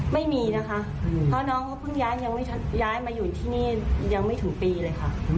ไม่มีนะคะเพราะน้องเขาเพิ่งย้ายยังไม่ย้ายมาอยู่ที่นี่ยังไม่ถึงปีเลยค่ะ